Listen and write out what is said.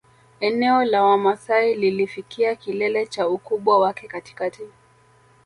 Eneo la Wamasai lilifikia kilele cha ukubwa wake katikati